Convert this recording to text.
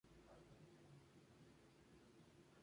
Es en ella en quienes los directores estan interesados.